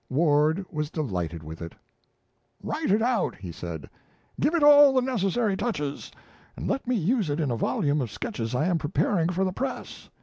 Ward was delighted with it. "Write it out," he said, "give it all the necessary touches, and let me use it in a volume of sketches I am preparing for the press.